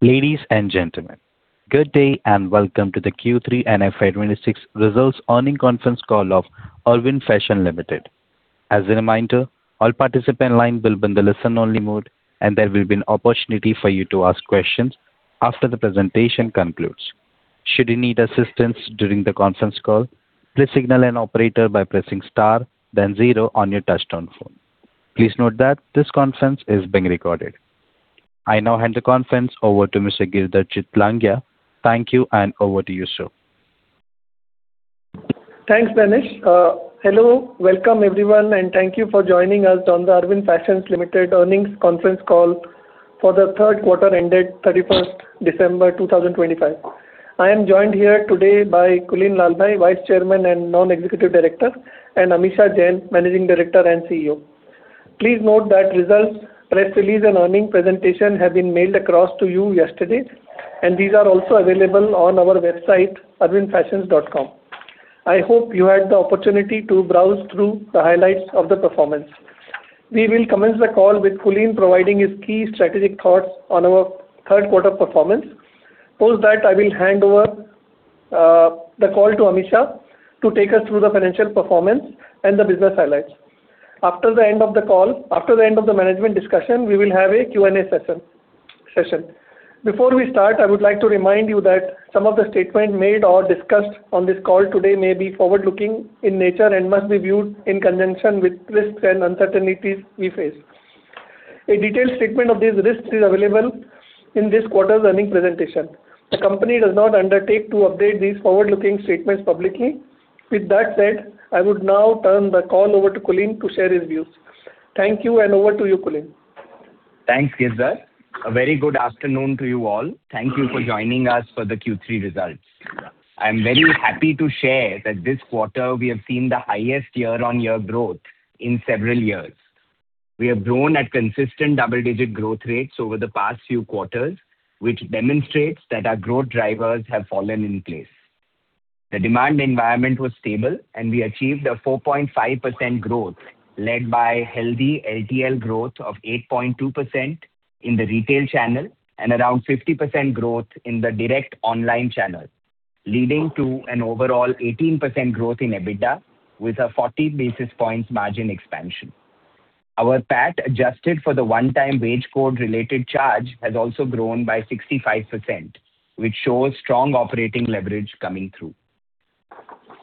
Ladies and gentlemen, good day, and welcome to the Q3 and FY 2026 results earnings conference call of Arvind Fashions Limited. As a reminder, all participant lines will be in the listen-only mode, and there will be an opportunity for you to ask questions after the presentation concludes. Should you need assistance during the conference call, please signal an operator by pressing star, then zero on your touchtone phone. Please note that this conference is being recorded. I now hand the conference over to Mr. Girdhar Chitlangia. Thank you, and over to you, sir. Thanks, Danish. Hello, welcome everyone, and thank you for joining us on the Arvind Fashions Limited earnings conference call for the Q3 ended December 31, 2025. I am joined here today by Kulin Lalbhai, Vice Chairman and Non-Executive Director, and Amisha Jain, Managing Director and CEO. Please note that results, press release, and earnings presentation have been mailed across to you yesterday, and these are also available on our website, arvindfashions.com. I hope you had the opportunity to browse through the highlights of the performance. We will commence the call with Kulin providing his key strategic thoughts on our Q3 performance. Post that, I will hand over the call to Amisha to take us through the financial performance and the business highlights. After the end of the management discussion, we will have a Q&A session. Before we start, I would like to remind you that some of the statements made or discussed on this call today may be forward-looking in nature and must be viewed in conjunction with risks and uncertainties we face. A detailed statement of these risks is available in this quarter's earnings presentation. The company does not undertake to update these forward-looking statements publicly. With that said, I would now turn the call over to Kulin to share his views. Thank you, and over to you, Kulin. Thanks, Girdhar. A very good afternoon to you all. Thank you for joining us for the Q3 results. I'm very happy to share that this quarter we have seen the highest year-on-year growth in several years. We have grown at consistent double-digit growth rates over the past few quarters, which demonstrates that our growth drivers have fallen in place. The demand environment was stable, and we achieved a 4.5% growth, led by healthy LTL growth of 8.2% in the retail channel and around 50% growth in the direct online channel, leading to an overall 18% growth in EBITDA, with a 40 basis points margin expansion. Our PAT, adjusted for the one-time wage code related charge, has also grown by 65%, which shows strong operating leverage coming through.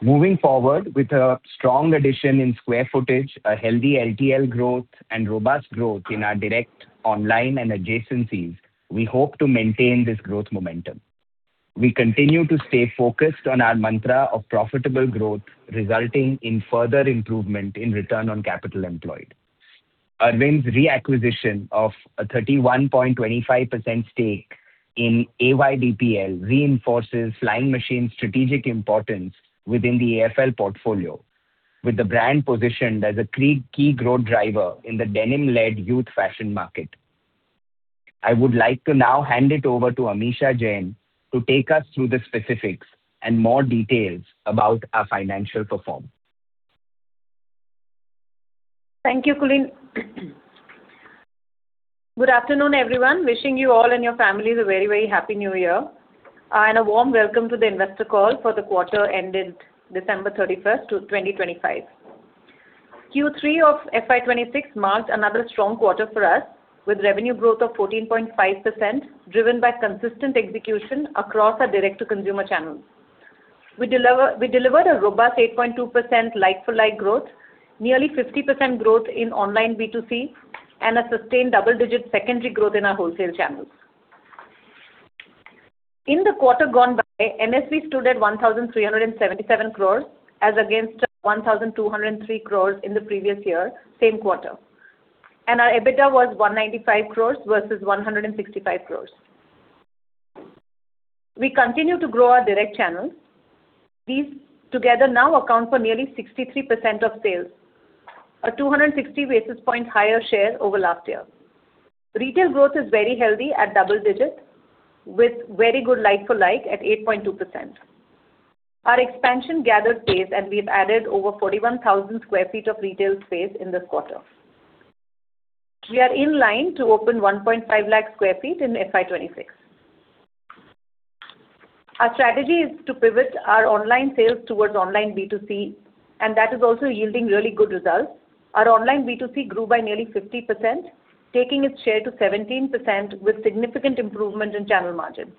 Moving forward, with a strong addition in sq ft, a healthy LTL growth, and robust growth in our direct, online and adjacencies, we hope to maintain this growth momentum. We continue to stay focused on our mantra of profitable growth, resulting in further improvement in return on capital employed. Arvind's reacquisition of a 31.25% stake in AYBPL reinforces Flying Machine's strategic importance within the AFL portfolio, with the brand positioned as a key growth driver in the denim-led youth fashion market. I would like to now hand it over to Amisha Jain to take us through the specifics and more details about our financial performance. Thank you, Kulin. Good afternoon, everyone. Wishing you all and your families a very, very happy new year, and a warm welcome to the investor call for the quarter ended December 31, 2025. Q3 of FY 2026 marked another strong quarter for us, with revenue growth of 14.5%, driven by consistent execution across our direct-to-consumer channels. We delivered a robust 8.2% like-for-like growth, nearly 50% growth in online B2C, and a sustained double-digit secondary growth in our wholesale channels. In the quarter gone by, NSV stood at 1,377 crore, as against 1,203 crore in the previous year, same quarter, and our EBITDA was 195 crore versus 165 crore. We continue to grow our direct channels. These together now account for nearly 63% of sales, a 260 basis point higher share over last year. Retail growth is very healthy at double digits, with very good like-for-like at 8.2%. Our expansion gathered pace, and we've added over 41,000 sq ft of retail space in this quarter. We are in line to open 150,000 sq ft in FY 2026. Our strategy is to pivot our online sales towards online B2C, and that is also yielding really good results. Our online B2C grew by nearly 50%, taking its share to 17% with significant improvement in channel margins.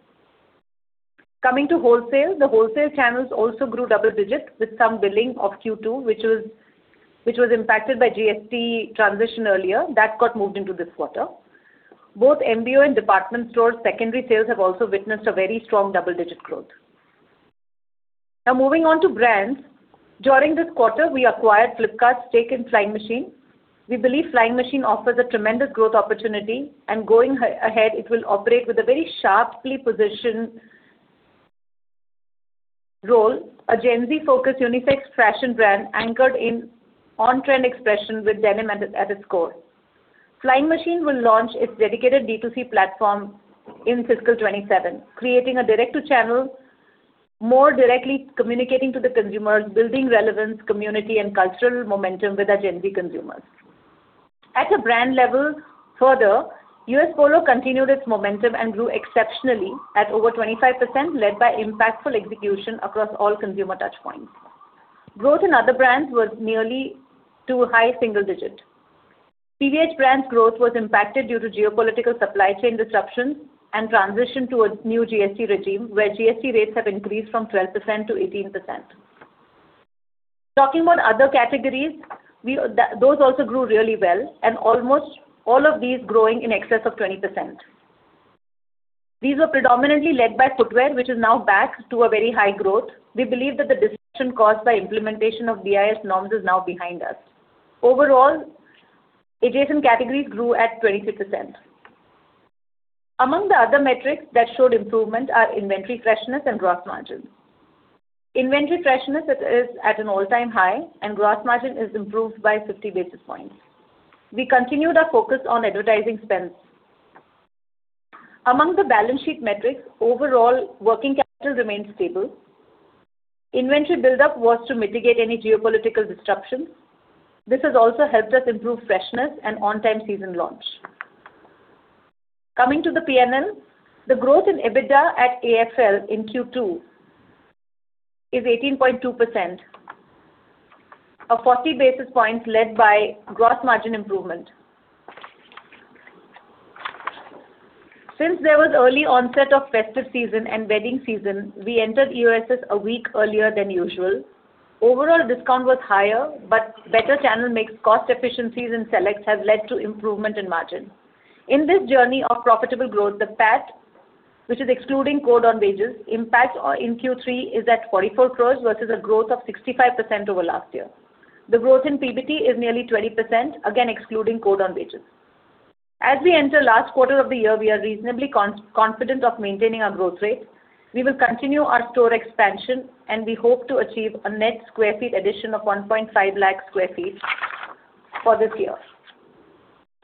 Coming to wholesale, the wholesale channels also grew double digits with some billing of Q2, which was impacted by GST transition earlier, that got moved into this quarter. Both MBO and department store secondary sales have also witnessed a very strong double-digit growth. Now, moving on to brands. During this quarter, we acquired Flipkart's stake in Flying Machine. We believe Flying Machine offers a tremendous growth opportunity, and going ahead, it will operate with a very sharply positioned role, a Gen Z-focused unisex fashion brand anchored in on-trend expression with denim at its core. Flying Machine will launch its dedicated B2C platform in fiscal 2027, creating a direct-to-channel, more directly communicating to the consumers, building relevance, community, and cultural momentum with our Gen Z consumers. At a brand level, further, U.S. Polo continued its momentum and grew exceptionally at over 25%, led by impactful execution across all consumer touch points. Growth in other brands was nearly to a high single digit. PVH brands growth was impacted due to geopolitical supply chain disruptions and transition to a new GST regime, where GST rates have increased from 12% to 18%. Talking about other categories, we, those also grew really well, and almost all of these growing in excess of 20%. These were predominantly led by footwear, which is now back to a very high growth. We believe that the disruption caused by implementation of BIS norms is now behind us. Overall, adjacent categories grew at 26%. Among the other metrics that showed improvement are inventory freshness and gross margin. Inventory freshness is at an all-time high, and gross margin is improved by 50 basis points. We continued our focus on advertising spends. Among the balance sheet metrics, overall working capital remains stable. Inventory buildup was to mitigate any geopolitical disruptions. This has also helped us improve freshness and on-time season launch. Coming to the PNL, the growth in EBITDA at AFL in Q2 is 18.2%, of 40 basis points led by gross margin improvement. Since there was early onset of festive season and wedding season, we entered ESS a week earlier than usual. Overall discount was higher, but better channel mix cost efficiencies in select have led to improvement in margin. In this journey of profitable growth, the PAT, which is excluding Code on Wages, impact or in Q3 is at 44 crore versus a growth of 65% over last year. The growth in PBT is nearly 20%, again, excluding Code on Wages. As we enter last quarter of the year, we are reasonably confident of maintaining our growth rate. We will continue our store expansion, and we hope to achieve a net square feet addition of 150,000 sq ft for this year.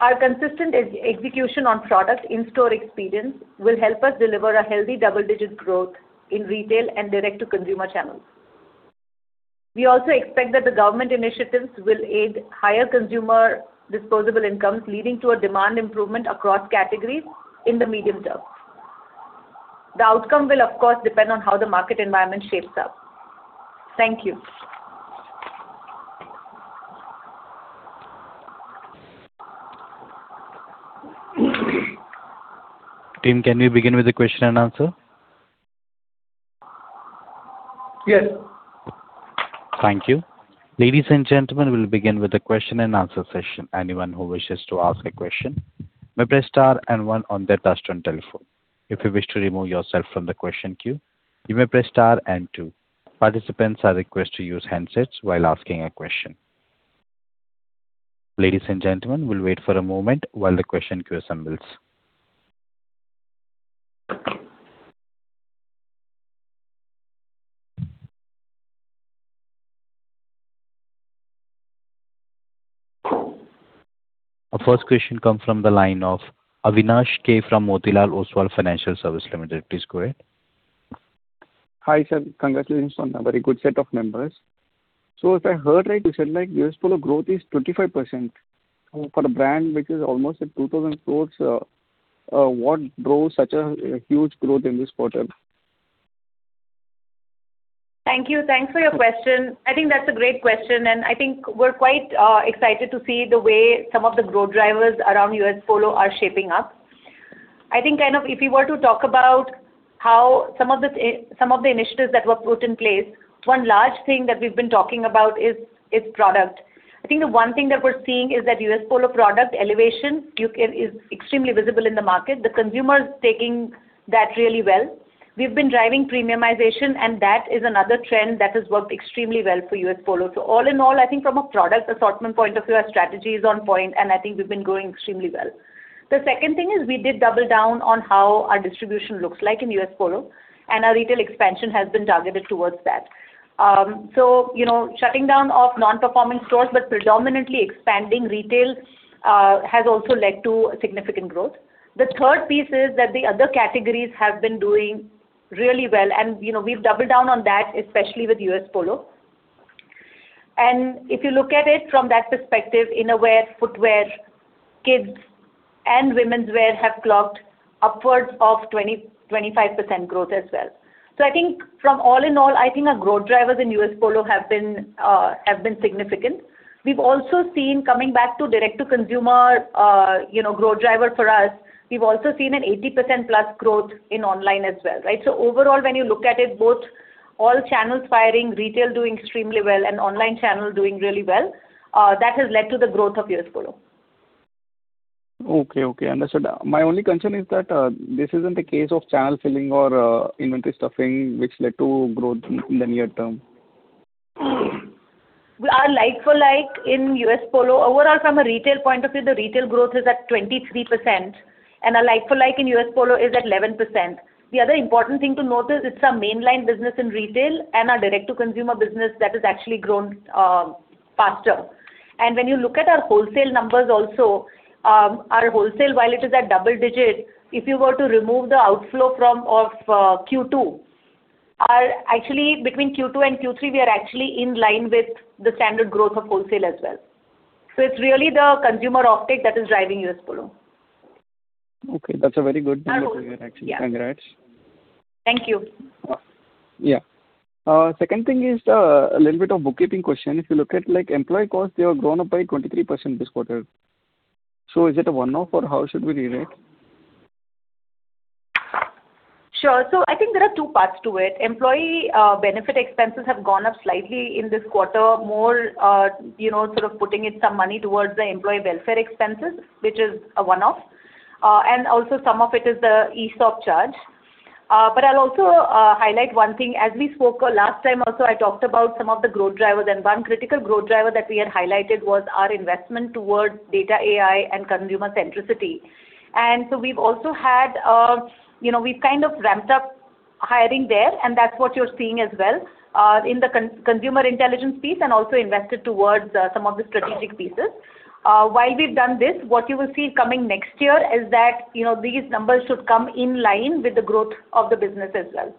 Our consistent execution on product in-store experience will help us deliver a healthy double-digit growth in retail and direct-to-consumer channels. We also expect that the government initiatives will aid higher consumer disposable incomes, leading to a demand improvement across categories in the medium term. The outcome will, of course, depend on how the market environment shapes up. Thank you. Team, can we begin with the question and answer? Yes. Thank you. Ladies and gentlemen, we'll begin with the question and answer session. Anyone who wishes to ask a question, may press star and one on their touchtone telephone. If you wish to remove yourself from the question queue, you may press star and two. Participants are requested to use handsets while asking a question. Ladies and gentlemen, we'll wait for a moment while the question queue assembles. Our first question comes from the line of Avinash K. from Motilal Oswal Financial Services Limited. Please go ahead. Hi, sir. Congratulations on a very good set of numbers. So if I heard right, you said, like, U.S. Polo growth is 25%. For a brand which is almost at 2,000 crores, what drove such a huge growth in this quarter? Thank you. Thanks for your question. I think that's a great question, and I think we're quite excited to see the way some of the growth drivers around U.S. Polo are shaping up. I think, kind of, if you were to talk about how some of the initiatives that were put in place, one large thing that we've been talking about is product. I think the one thing that we're seeing is that U.S. Polo product elevation is extremely visible in the market. The consumer is taking that really well. We've been driving premiumization, and that is another trend that has worked extremely well for U.S. Polo. So all in all, I think from a product assortment point of view, our strategy is on point, and I think we've been growing extremely well. The second thing is we did double down on how our distribution looks like in U.S. Polo, and our retail expansion has been targeted towards that. So, you know, shutting down of non-performing stores, but predominantly expanding retail, has also led to a significant growth. The third piece is that the other categories have been doing really well, and, you know, we've doubled down on that, especially with U.S. Polo. And if you look at it from that perspective, innerwear, footwear, kids, and womenswear have clocked upwards of 20%-25% growth as well. So I think from all in all, I think our growth drivers in U.S. Polo have been, have been significant. We've also seen, coming back to direct to consumer, you know, growth driver for us, we've also seen an 80%+ growth in online as well, right? Overall, when you look at it, both all channels firing, retail doing extremely well, and online channel doing really well, that has led to the growth of U.S. Polo. Okay, okay, understood. My only concern is that this isn't a case of channel filling or inventory stuffing, which led to growth in the near term. Our like-for-like in U.S. Polo... Overall, from a retail point of view, the retail growth is at 23%, and our like-for-like in U.S. Polo is at 11%. The other important thing to note is, it's our mainline business in retail and our direct-to-consumer business that has actually grown faster. And when you look at our wholesale numbers also, our wholesale, while it is at double digit, if you were to remove the outflow from, of, Q2 and Q3, we are actually in line with the standard growth of wholesale as well. So it's really the consumer optic that is driving U.S. Polo. Okay, that's a very good number for you actually. Yeah. Congrats. Thank you. Second thing is, a little bit of bookkeeping question. If you look at, like, employee costs, they have grown up by 23% this quarter. So is it a one-off, or how should we read it? Sure. So I think there are two parts to it. Employee benefit expenses have gone up slightly in this quarter, more, you know, sort of putting in some money towards the employee welfare expenses, which is a one-off. And also some of it is the ESOP charge. But I'll also highlight one thing. As we spoke last time also, I talked about some of the growth drivers, and one critical growth driver that we had highlighted was our investment towards data, AI, and consumer centricity. And so we've also had, you know, we've kind of ramped up hiring there, and that's what you're seeing as well in the consumer intelligence piece and also invested towards some of the strategic pieces. While we've done this, what you will see coming next year is that, you know, these numbers should come in line with the growth of the business as well.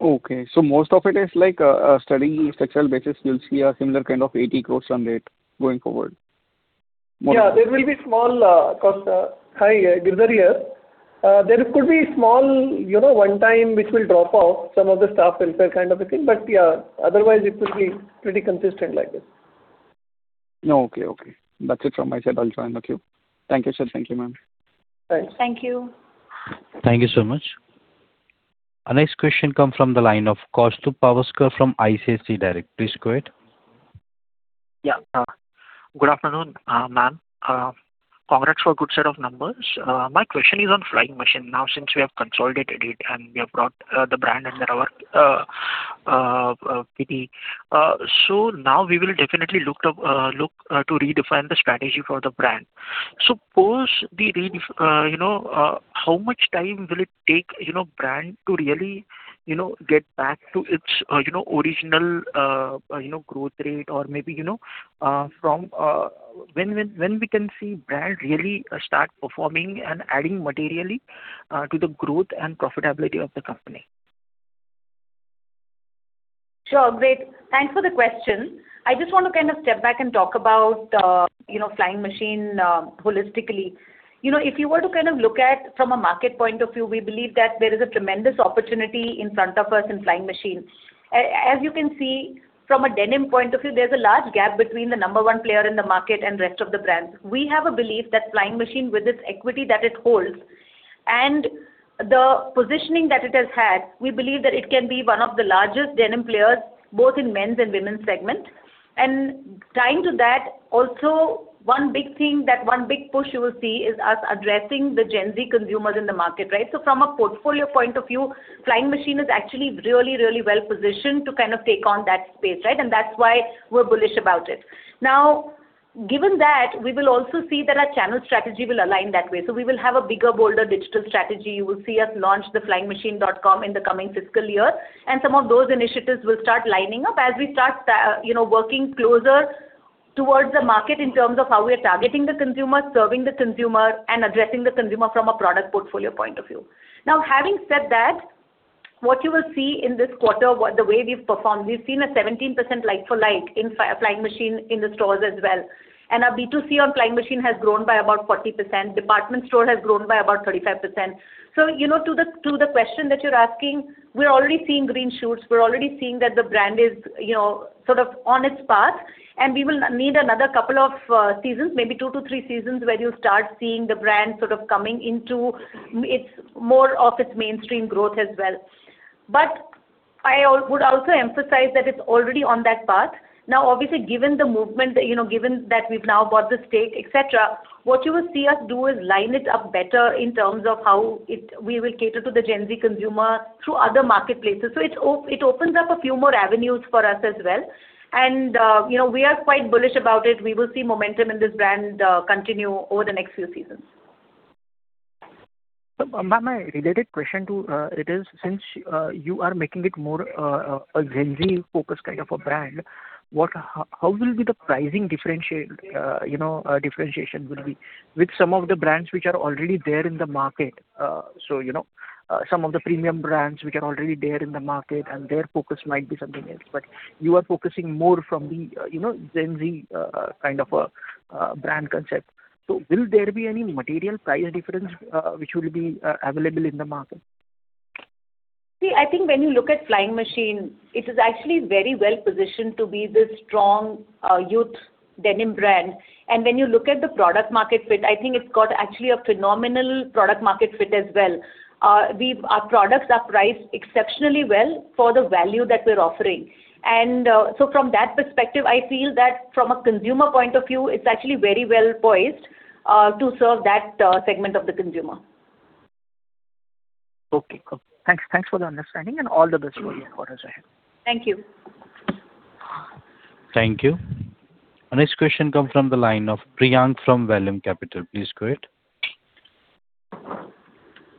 Okay, so most of it is like, a steady structural basis, you'll see a similar kind of 80 crore on it going forward. Yeah, there will be small cost. Hi, Girdhar here. There could be small, you know, one time, which will drop off some of the staff welfare kind of a thing, but, yeah, otherwise it will be pretty consistent like this. Okay. Okay. That's it from my side. I'll join the queue. Thank you, sir. Thank you, ma'am. Thank you. Thank you so much. Our next question comes from the line of Kaustubh Pawaskar from ICICI Direct. Please go ahead. Yeah. Good afternoon, ma'am. Congrats for a good set of numbers. My question is on Flying Machine. Now, since we have consolidated it, and we have brought the brand under our umbrella, so now we will definitely look to redefine the strategy for the brand. Suppose you know, how much time will it take, you know, brand to really, you know, get back to its, you know, original growth rate, or maybe, you know, from... When we can see brand really start performing and adding materially to the growth and profitability of the company? Sure. Great. Thanks for the question. I just want to kind of step back and talk about, you know, Flying Machine, holistically. You know, if you were to kind of look at from a market point of view, we believe that there is a tremendous opportunity in front of us in Flying Machine. As you can see, from a denim point of view, there's a large gap between the number one player in the market and rest of the brands. We have a belief that Flying Machine, with this equity that it holds and the positioning that it has had, we believe that it can be one of the largest denim players, both in men's and women's segment. And tying to that, also, one big thing, that one big push you will see is us addressing the Gen Z consumers in the market, right? So from a portfolio point of view, Flying Machine is actually really, really well positioned to kind of take on that space, right? And that's why we're bullish about it. Now, given that, we will also see that our channel strategy will align that way. So we will have a bigger, bolder digital strategy. You will see us launch the flyingmachine.com in the coming fiscal year, and some of those initiatives will start lining up as we start, you know, working closer towards the market in terms of how we are targeting the consumer, serving the consumer, and addressing the consumer from a product portfolio point of view. Now, having said that, what you will see in this quarter, the way we've performed, we've seen a 17% like for like in Flying Machine in the stores as well. Our B2C on Flying Machine has grown by about 40%. Department store has grown by about 35%. So, you know, to the, to the question that you're asking, we're already seeing green shoots. We're already seeing that the brand is, you know, sort of on its path, and we will need another couple of seasons, maybe 2 to 3 seasons, where you'll start seeing the brand sort of coming into its more of its mainstream growth as well. But I would also emphasize that it's already on that path. Now, obviously, given the movement, you know, given that we've now bought the stake, et cetera, what you will see us do is line it up better in terms of how it we will cater to the Gen Z consumer through other marketplaces. So it opens up a few more avenues for us as well. And, you know, we are quite bullish about it. We will see momentum in this brand, continue over the next few seasons. Ma'am, my related question to it is, since you are making it more a Gen Z focused kind of a brand, what, how will be the pricing differentiate, you know, differentiation will be with some of the brands which are already there in the market? So, you know, some of the premium brands which are already there in the market, and their focus might be something else, but you are focusing more from the, you know, Gen Z kind of a brand concept. So will there be any material price difference, which will be available in the market? See, I think when you look at Flying Machine, it is actually very well positioned to be this strong youth denim brand. And when you look at the product market fit, I think it's got actually a phenomenal product market fit as well. Our products are priced exceptionally well for the value that we're offering. And so from that perspective, I feel that from a consumer point of view, it's actually very well poised to serve that segment of the consumer. Okay, cool. Thanks. Thanks for the understanding and all the best for your quarters ahead. Thank you. Thank you. Our next question comes from the line of Priyank from Vallum Capital. Please go ahead.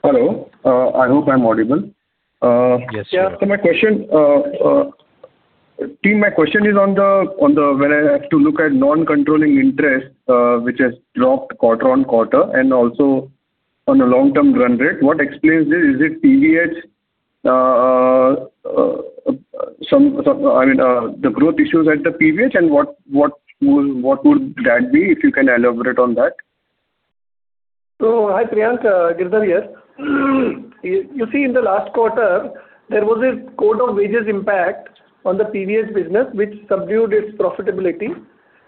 Hello. I hope I'm audible. Yes, sir. Yeah, so my question, Team, my question is on the when I have to look at non-controlling interest, which has dropped quarter-on-quarter, and also on a long-term run rate, what explains this? Is it PVH, some, I mean, the growth issues at the PVH, and what would that be, if you can elaborate on that? So, hi, Priyank, Girdhar here. You see, in the last quarter, there was a Code on Wages impact on the PVH business, which subdued its profitability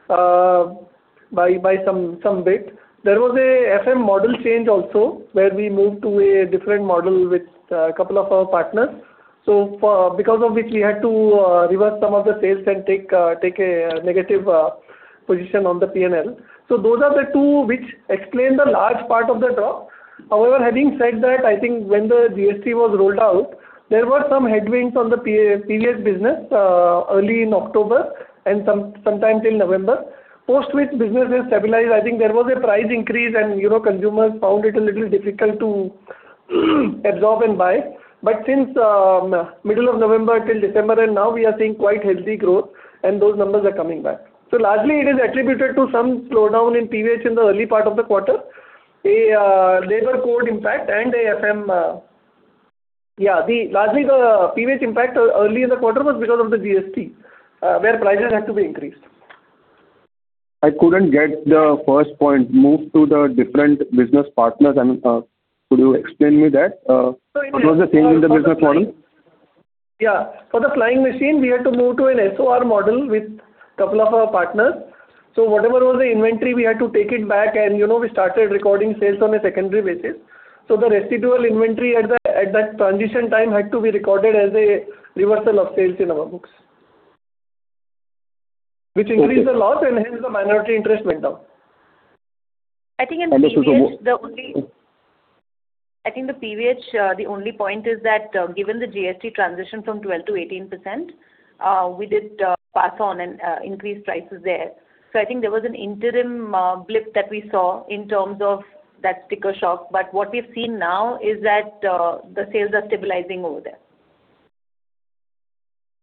by some bit. There was a FM model change also, where we moved to a different model with a couple of our partners. So because of which we had to reverse some of the sales and take a negative position on the PNL. So those are the two which explain the large part of the drop. However, having said that, I think when the GST was rolled out, there were some headwinds on the PVH business early in October and sometime till November. Post which, business has stabilized. I think there was a price increase, and, you know, consumers found it a little difficult to absorb and buy. But since middle of November until December, and now we are seeing quite healthy growth, and those numbers are coming back. So largely it is attributed to some slowdown in PVH in the early part of the quarter. There were Code impact and a FM. Yeah, largely the PVH impact early in the quarter was because of the GST, where prices had to be increased. I couldn't get the first point, moved to the different business partners. I mean, could you explain me that? What was the change in the business model? Yeah. For the Flying Machine, we had to move to an SOR model with couple of our partners. So whatever was the inventory, we had to take it back and, you know, we started recording sales on a secondary basis. So the residual inventory at that transition time had to be recorded as a reversal of sales in our books. Okay. Which increased the loss, and hence the minority interest went down. I think in PVH, the only- Understood. I think the PVH, the only point is that, given the GST transition from 12%-18%, we did pass on and increase prices there. So I think there was an interim blip that we saw in terms of that sticker shock. But what we've seen now is that the sales are stabilizing over there.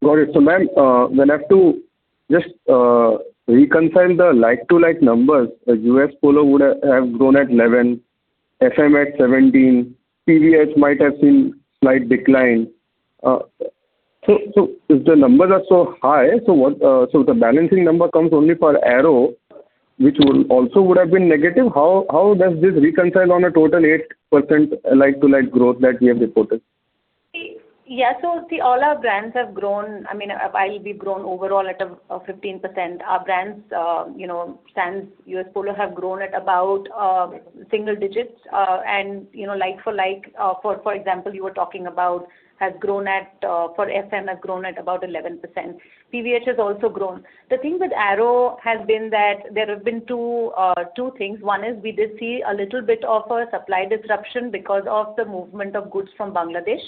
Got it. So, ma'am, when I have to just reconcile the like-for-like numbers, the U.S. Polo would have grown at 11, FM at 17, PVH might have seen slight decline. So, if the numbers are so high, so the balancing number comes only for Arrow, which would also have been negative. How does this reconcile on a total 8% like-for-like growth that we have reported? See. Yeah, so see, all our brands have grown. I mean, while we've grown overall at a 15%, our brands, you know, since U.S. Polo, have grown at about single digits. And, you know, like for like, for example, you were talking about, has grown at for FM, has grown at about 11%. PVH has also grown. The thing with Arrow has been that there have been two things. One is we did see a little bit of a supply disruption because of the movement of goods from Bangladesh.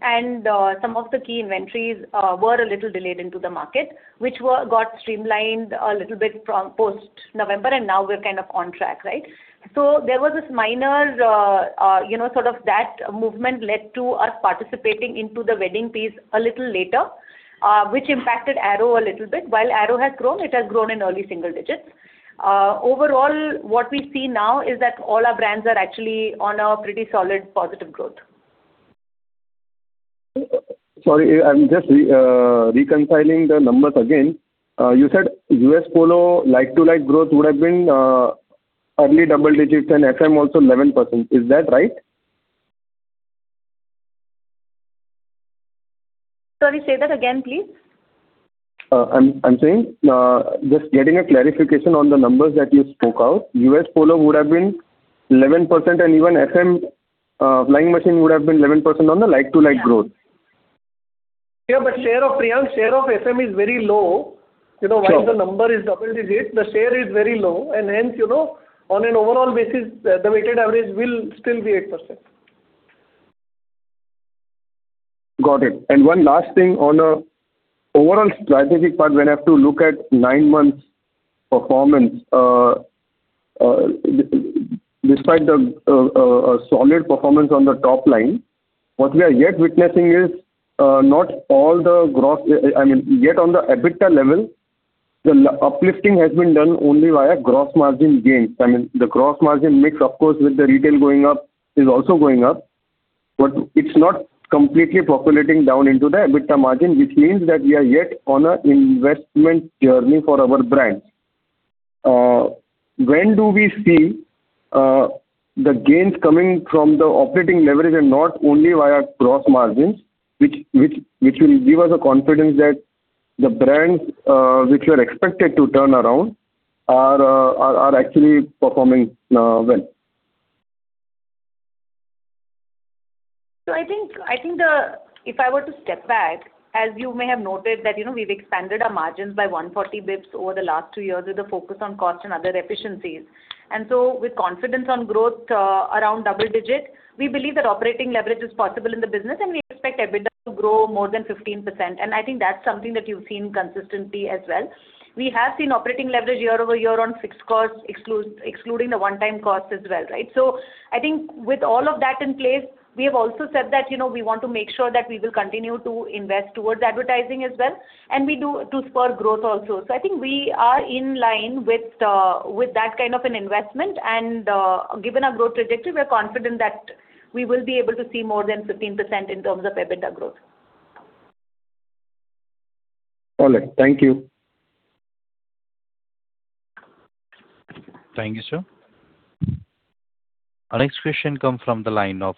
And some of the key inventories were a little delayed into the market, which got streamlined a little bit from post-November, and now we're kind of on track, right? So there was this minor, you know, sort of that movement led to us participating into the wedding piece a little later, which impacted Arrow a little bit. While Arrow has grown, it has grown in early single digits. Overall, what we see now is that all our brands are actually on a pretty solid positive growth. Sorry, I'm just reconciling the numbers again. You said U.S. Polo like-for-like growth would have been early double digits, and FM also 11%. Is that right? Sorry, say that again, please. I'm saying, just getting a clarification on the numbers that you spoke out. U.S. Polo would have been 11%, and even FM, Flying Machine would have been 11% on the like-for-like growth. Yeah, but share of Priyank, share of FM is very low. Sure. You know, while the number is double digits, the share is very low, and hence, you know, on an overall basis, the weighted average will still be 8%. Got it. And one last thing, on a overall strategic part, when I have to look at nine months' performance, despite the solid performance on the top line, what we are yet witnessing is, I mean, yet on the EBITDA level, the uplifting has been done only via gross margin gains. I mean, the gross margin mix, of course, with the retail going up, is also going up, but it's not completely populating down into the EBITDA margin, which means that we are yet on a investment journey for our brands. When do we see the gains coming from the operating leverage and not only via gross margins, which will give us a confidence that the brands which are expected to turn around are actually performing well? So I think, if I were to step back, as you may have noted, that, you know, we've expanded our margins by 140 basis points over the last two years with a focus on cost and other efficiencies. And so with confidence on growth, around double digits, we believe that operating leverage is possible in the business, and we expect EBITDA to grow more than 15%, and I think that's something that you've seen consistently as well. We have seen operating leverage year-over-year on fixed costs, excluding the one-time costs as well, right? So I think with all of that in place, we have also said that, you know, we want to make sure that we will continue to invest towards advertising as well, and we do to spur growth also. So I think we are in line with, with that kind of an investment, and, given our growth trajectory, we're confident that we will be able to see more than 15% in terms of EBITDA growth. All right, thank you. Thank you, sir. Our next question come from the line of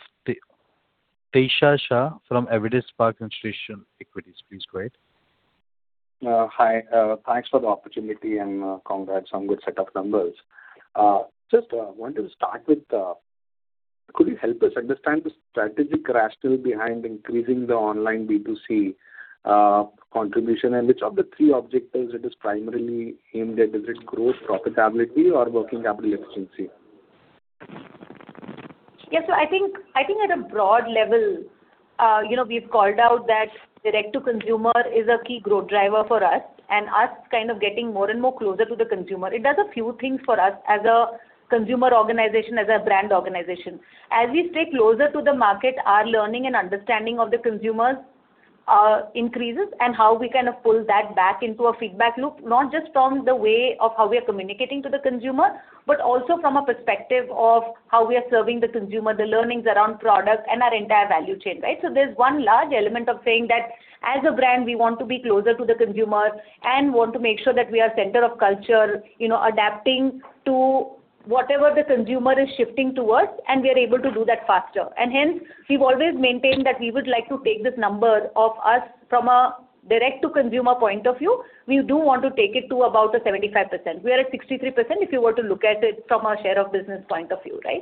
Tejas Shah from Avendus Spark Institutional Equities. Please go ahead. Hi. Thanks for the opportunity, and congrats on good set of numbers. Just wanted to start with, could you help us understand the strategic rationale behind increasing the online B2C contribution? And which of the three objectives it is primarily aimed at? Is it growth, profitability, or working capital efficiency? Yeah, so I think, I think at a broad level, you know, we've called out that direct-to-consumer is a key growth driver for us, and us kind of getting more and more closer to the consumer. It does a few things for us as a consumer organization, as a brand organization. As we stay closer to the market, our learning and understanding of the consumers increases, and how we kind of pull that back into a feedback loop, not just from the way of how we are communicating to the consumer, but also from a perspective of how we are serving the consumer, the learnings around product, and our entire value chain, right? So there's one large element of saying that as a brand, we want to be closer to the consumer and want to make sure that we are center of culture, you know, adapting to whatever the consumer is shifting towards, and we are able to do that faster. And hence, we've always maintained that we would like to take this number of us from a direct-to-consumer point of view, we do want to take it to about a 75%. We are at 63%, if you were to look at it from a share of business point of view, right?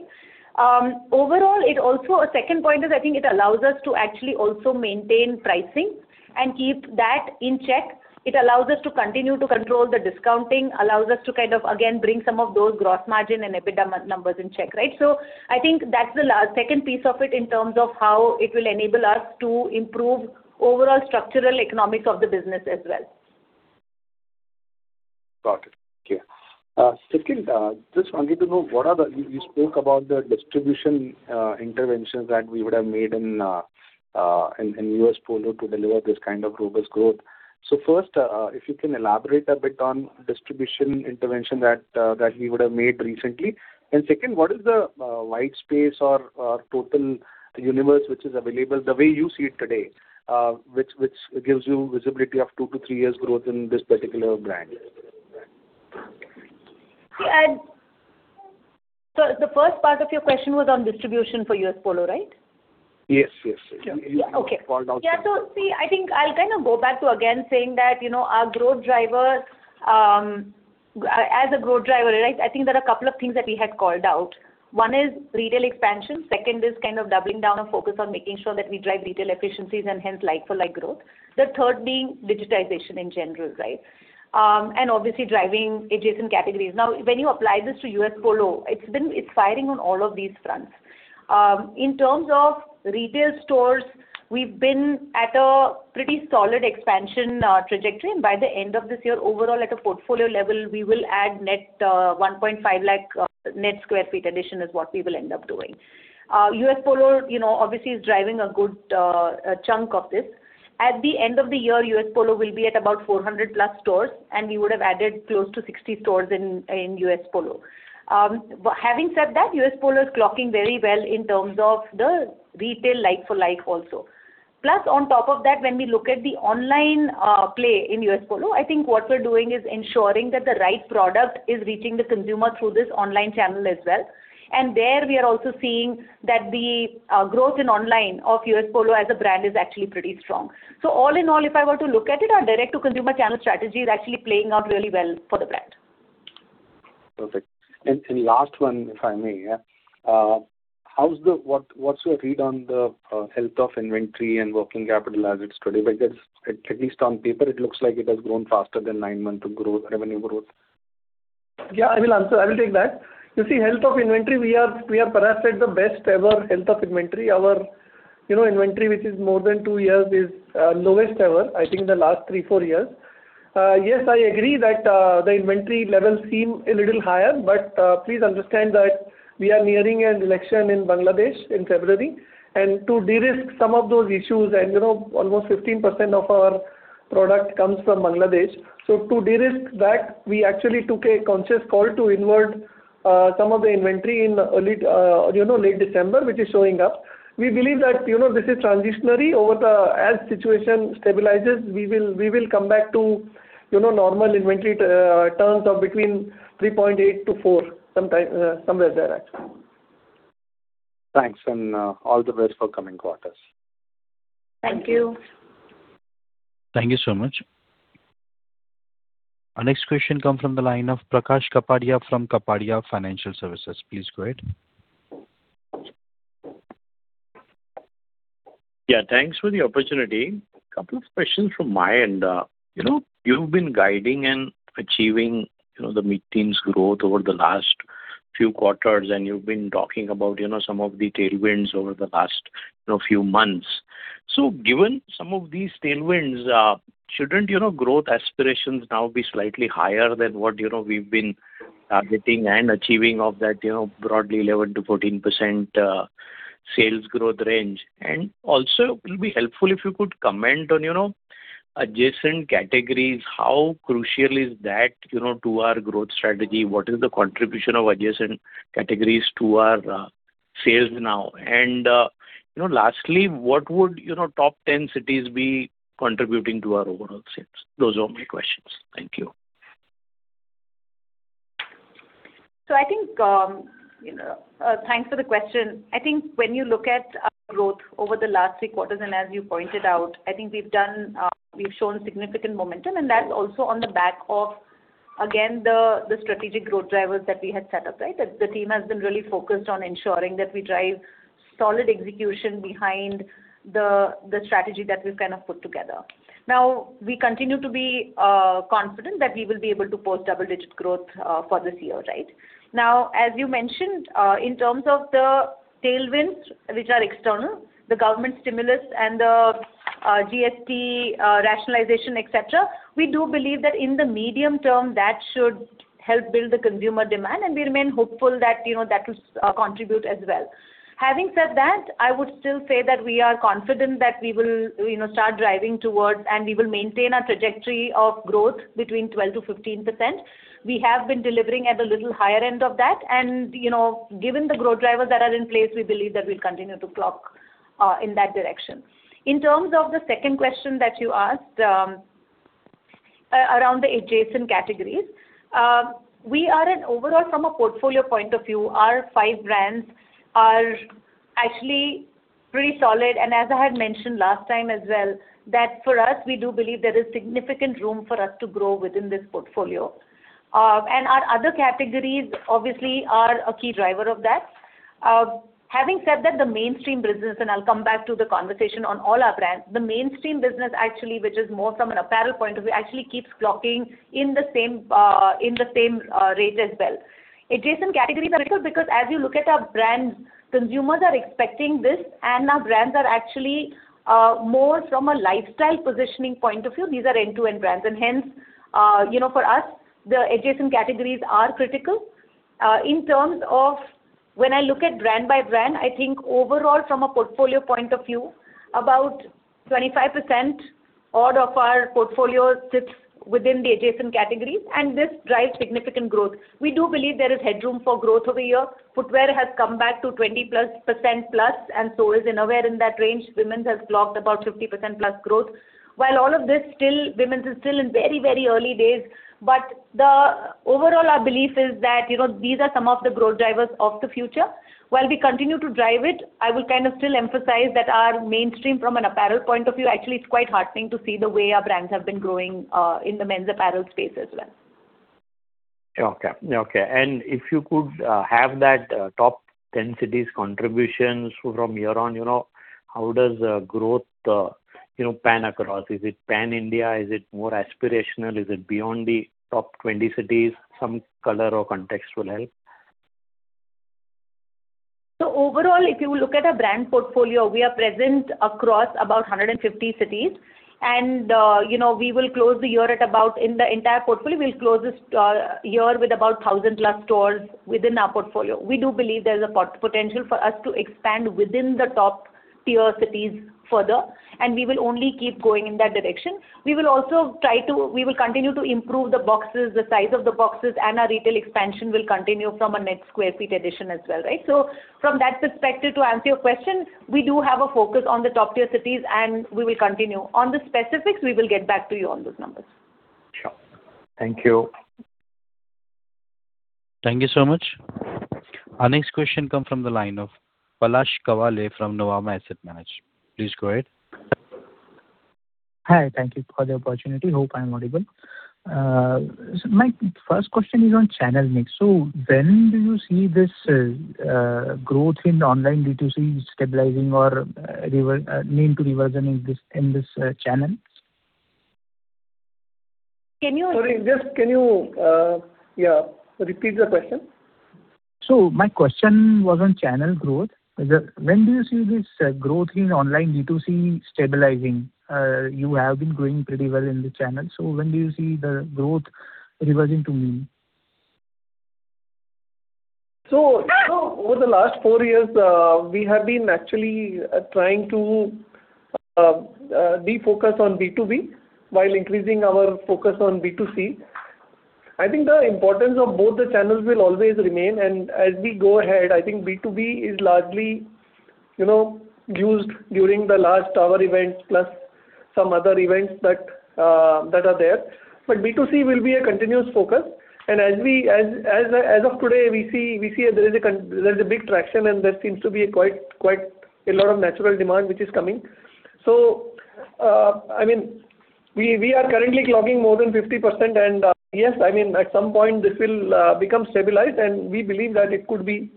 Overall, it also... A second point is, I think it allows us to actually also maintain pricing and keep that in check. It allows us to continue to control the discounting, allows us to kind of, again, bring some of those gross margin and EBITDA numbers in check, right? So I think that's the second piece of it, in terms of how it will enable us to improve overall structural economics of the business as well. Got it. Thank you. Second, just wanted to know what are the... You spoke about the distribution interventions that we would have made in U.S. Polo to deliver this kind of robust growth. So first, if you can elaborate a bit on distribution intervention that you would have made recently. And second, what is the white space or total universe which is available, the way you see it today, which gives you visibility of two to three years growth in this particular brand? So the first part of your question was on distribution for U.S. Polo, right? Yes. Yes. Yeah. Okay. Called out- Yeah, so see, I think I'll kind of go back to again saying that, you know, our growth driver, as a growth driver, right, I think there are a couple of things that we had called out. One is retail expansion, second is kind of doubling down and focus on making sure that we drive retail efficiencies and hence, like-for-like growth. The third being digitization in general, right? And obviously driving adjacent categories. Now, when you apply this to U.S. Polo, it's been... It's firing on all of these fronts. In terms of retail stores, we've been at a pretty solid expansion, trajectory, and by the end of this year, overall, at a portfolio level, we will add net, 1.5 lakh net sq ft addition is what we will end up doing. U.S. Polo, you know, obviously is driving a good chunk of this. At the end of the year, U.S. Polo will be at about 400+ stores, and we would have added close to 60 stores in U.S. Polo. But having said that, U.S. Polo is clocking very well in terms of the retail like-for-like also. Plus, on top of that, when we look at the online play in U.S. Polo, I think what we're doing is ensuring that the right product is reaching the consumer through this online channel as well. And there, we are also seeing that the growth in online of US Polo as a brand is actually pretty strong. So all in all, if I were to look at it, our direct-to-consumer channel strategy is actually playing out really well for the brand. Perfect. And last one, if I may, yeah. How's the... What, what's your read on the health of inventory and working capital as it's today? Because at least on paper, it looks like it has grown faster than nine-month growth, revenue growth. Yeah, I will answer. I will take that. You see, health of inventory, we are perhaps at the best ever health of inventory. Our, you know, inventory, which is more than two years, is lowest ever, I think, in the last three, four years. Yes, I agree that the inventory levels seem a little higher, but please understand that we are nearing an election in Bangladesh in February. And to de-risk some of those issues, and, you know, almost 15% of our product comes from Bangladesh. So to de-risk that, we actually took a conscious call to inward some of the inventory in early, you know, late December, which is showing up. We believe that, you know, this is transitory. As the situation stabilizes, we will come back to, you know, normal inventory terms of between 3.8-4, sometime, somewhere there, actually. Thanks, and all the best for coming quarters. Thank you. Thank you so much. Our next question comes from the line of Prakash Kapadia from Kapadia Financial Services. Please go ahead. Yeah, thanks for the opportunity. Couple of questions from my end. You know, you've been guiding and achieving, you know, the mid-teens growth over the last few quarters, and you've been talking about, you know, some of the tailwinds over the last, you know, few months. So given some of these tailwinds, shouldn't, you know, growth aspirations now be slightly higher than what, you know, we've been targeting and achieving of that, you know, broadly 11%-14% sales growth range? And also, it will be helpful if you could comment on, you know, adjacent categories, how crucial is that, you know, to our growth strategy? What is the contribution of adjacent categories to our growth sales now? And you know, lastly, what would, you know, top 10 cities be contributing to our overall sales? Those are my questions. Thank you. So I think, you know, thanks for the question. I think when you look at our growth over the last three quarters, and as you pointed out, I think we've done, we've shown significant momentum, and that's also on the back of, again, the, the strategic growth drivers that we had set up, right? That the team has been really focused on ensuring that we drive solid execution behind the, the strategy that we've kind of put together. Now, we continue to be, confident that we will be able to post double-digit growth, for this year, right? Now, as you mentioned, in terms of the tailwinds, which are external, the government stimulus and the, GST, rationalization, et cetera, we do believe that in the medium term, that should help build the consumer demand, and we remain hopeful that, you know, that will, contribute as well. Having said that, I would still say that we are confident that we will, you know, start driving towards, and we will maintain our trajectory of growth between 12%-15%. We have been delivering at a little higher end of that, and, you know, given the growth drivers that are in place, we believe that we'll continue to clock, in that direction. In terms of the second question that you asked, around the adjacent categories, we are overall from a portfolio point of view, our five brands are actually pretty solid. As I had mentioned last time as well, that for us, we do believe there is significant room for us to grow within this portfolio. Our other categories obviously are a key driver of that. Having said that, the mainstream business, and I'll come back to the conversation on all our brands, the mainstream business actually, which is more from an apparel point of view, actually keeps clocking in the same rate as well. Adjacent categories are critical, because as you look at our brands, consumers are expecting this, and our brands are actually more from a lifestyle positioning point of view. These are end-to-end brands, and hence, you know, for us, the adjacent categories are critical. In terms of when I look at brand by brand, I think overall from a portfolio point of view, about 25% odd of our portfolio sits within the adjacent categories, and this drives significant growth. We do believe there is headroom for growth over here. Footwear has come back to 20%+, and so is innerwear in that range. Women's has clocked about 50%+ growth. While all of this still, women's is still in very, very early days, but overall, our belief is that, you know, these are some of the growth drivers of the future. While we continue to drive it, I will kind of still emphasize that our mainstream from an apparel point of view, actually it's quite heartening to see the way our brands have been growing in the men's apparel space as well. Okay. Okay. And if you could, have that, top 10 cities contributions from here on, you know, how does, growth, you know, pan across? Is it pan-India? Is it more aspirational? Is it beyond the top 20 cities? Some color or context will help. So overall, if you look at our brand portfolio, we are present across about 150 cities. And, you know, we will close the year at about, in the entire portfolio, we'll close this year with about 1,000+ stores within our portfolio. We do believe there's a potential for us to expand within the top-tier cities further, and we will only keep going in that direction. We will also continue to improve the boxes, the size of the boxes, and our retail expansion will continue from a net sq ft addition as well, right? So from that perspective, to answer your question, we do have a focus on the top-tier cities, and we will continue. On the specifics, we will get back to you on those numbers. Sure. Thank you. Thank you so much. Our next question come from the line of Palash Kawale from Nuvama Asset Management. Please go ahead. Hi, thank you for the opportunity. Hope I'm audible. So my first question is on channel mix. So when do you see this growth in the online D2C stabilizing or reversing in this channel? Can you- Sorry, just can you, yeah, repeat the question? My question was on channel growth. When do you see this growth in online D2C stabilizing? You have been growing pretty well in the channel, so when do you see the growth reversing to mean? So, over the last four years, we have been actually trying to defocus on B2B while increasing our focus on B2C. I think the importance of both the channels will always remain, and as we go ahead, I think B2B is largely, you know, used during the large tower events plus some other events that are there. But B2C will be a continuous focus, and as of today, we see there is a big traction, and there seems to be quite a lot of natural demand which is coming. So, I mean, we are currently clocking more than 50%, and yes, I mean, at some point this will become stabilized, and we believe that it could be...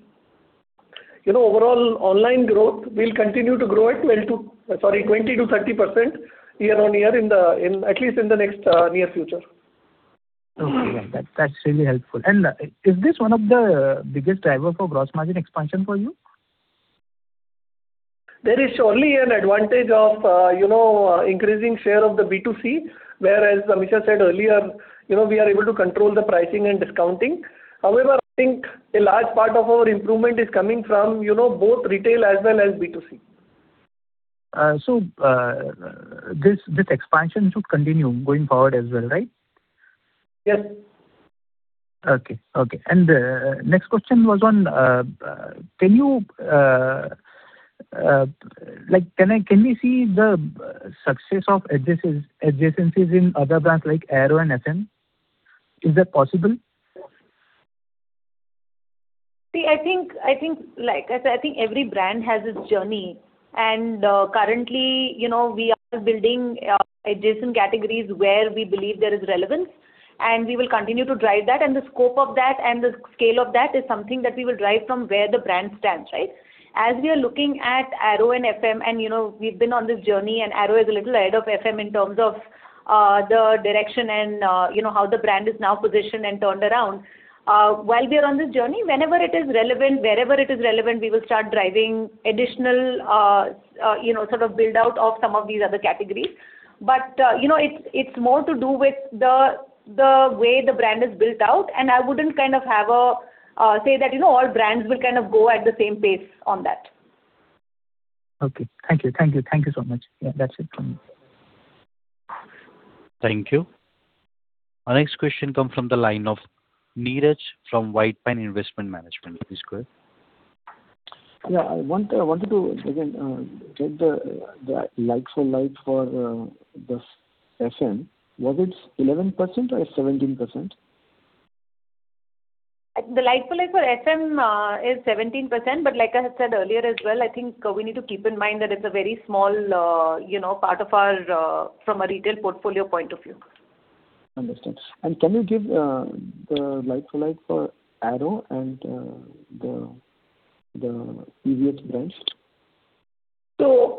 You know, overall, online growth will continue to grow at 12 to, sorry, 20%-30% year-on-year in the, in at least in the next near future. Okay, that's, that's really helpful. And, is this one of the biggest driver for gross margin expansion for you? There is surely an advantage of, you know, increasing share of the B2C, whereas Amisha said earlier, you know, we are able to control the pricing and discounting. However, I think a large part of our improvement is coming from, you know, both retail as well as B2C. So, this expansion should continue going forward as well, right? Yes. Okay, okay. Next question was on, can you, like, can I, can we see the success of adjacencies, adjacencies in other brands like Arrow and FM? Is that possible? See, I think every brand has its journey. Currently, you know, we are building adjacent categories where we believe there is relevance, and we will continue to drive that. And the scope of that and the scale of that is something that we will drive from where the brand stands, right? As we are looking at Arrow and FM, and, you know, we've been on this journey, and Arrow is a little ahead of FM in terms of the direction and, you know, how the brand is now positioned and turned around. While we are on this journey, whenever it is relevant, wherever it is relevant, we will start driving additional, you know, sort of build out of some of these other categories. But, you know, it's more to do with the way the brand is built out, and I wouldn't kind of have a say that, you know, all brands will kind of go at the same pace on that. Okay. Thank you, thank you, thank you so much. Yeah, that's it from me. Thank you. Our next question comes from the line of Neeraj from WhitePine Investment Management. Please go ahead. Yeah, I wanted to, again, check the like-for-like for the FM. Was it 11% or 17%? The like-for-like for FM is 17%, but like I had said earlier as well, I think we need to keep in mind that it's a very small, you know, part of our from a retail portfolio point of view. Understood. Can you give the like for like for Arrow and the previous brands? So,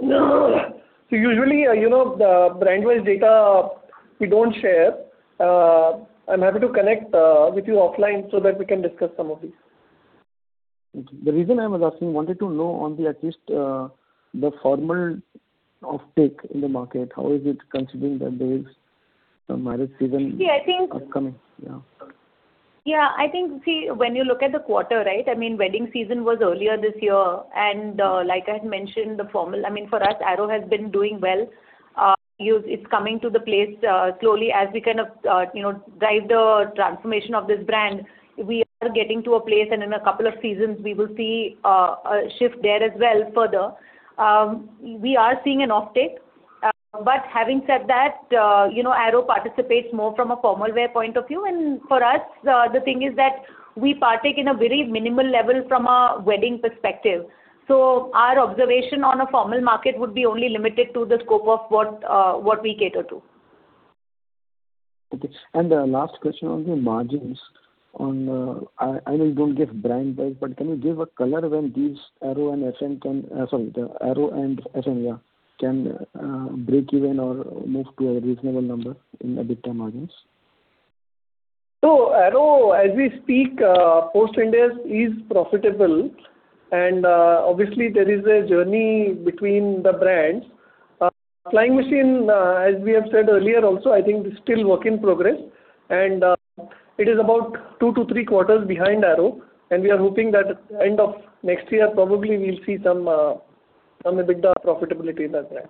usually, you know, the brand-wise data, we don't share. I'm happy to connect with you offline so that we can discuss some of these. The reason I was asking, wanted to know on the at least, the formal offtake in the market, how is it considering that there is a marriage season? See, I think- -upcoming? Yeah. Yeah, I think, see, when you look at the quarter, right, I mean, wedding season was earlier this year, and, like I had mentioned, the formal - I mean, for us, Arrow has been doing well. You... It's coming to the place, slowly as we kind of, you know, drive the transformation of this brand. We are getting to a place, and in a couple of seasons, we will see, a shift there as well further. We are seeing an offtake. But having said that, you know, Arrow participates more from a formal wear point of view. And for us, the thing is that we partake in a very minimal level from a wedding perspective. So our observation on a formal market would be only limited to the scope of what, what we cater to. Okay. And the last question on the margins on, I know you don't give brand price, but can you give a color when these Arrow and FM can, sorry, the Arrow and FM, yeah, can, break even or move to a reasonable number in EBITDA margins? So Arrow, as we speak, post-Indus is profitable, and, obviously there is a journey between the brands. Flying Machine, as we have said earlier also, I think is still work in progress, and, it is about two to three quarters behind Arrow, and we are hoping that end of next year, probably we'll see some EBITDA profitability in that brand.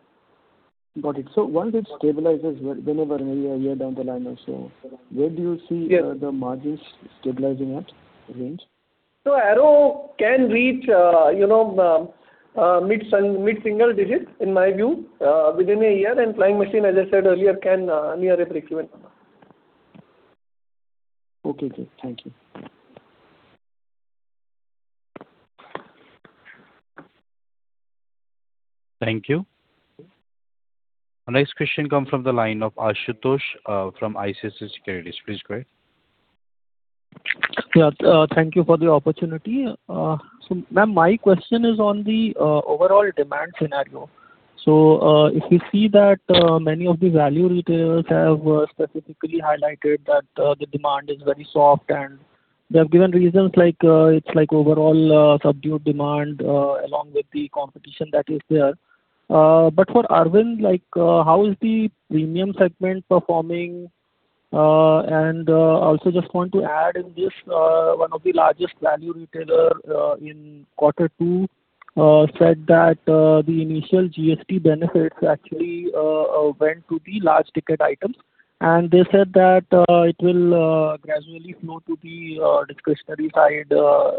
Got it. So once it stabilizes, whenever, a year, a year down the line or so, where do you see- Yeah. the margins stabilizing at a range? Arrow can reach, you know, mid-single digits, in my view, within a year, and Flying Machine, as I said earlier, can near a break even. Okay, good. Thank you. Thank you. Our next question comes from the line of Ashutosh from ICICI Securities. Please go ahead. Yeah, thank you for the opportunity. So, ma'am, my question is on the overall demand scenario. So, if we see that many of the value retailers have specifically highlighted that the demand is very soft, and they have given reasons like it's like overall subdued demand along with the competition that is there. But for Arvind, like, how is the premium segment performing? And also just want to add in this, one of the largest value retailer in quarter two said that the initial GST benefits actually went to the large ticket items. And they said that it will gradually flow to the discretionary side